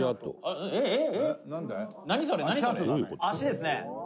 「足ですね」